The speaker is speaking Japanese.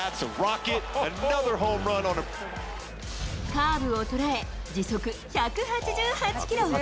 カーブを捉え、時速１８８キロ。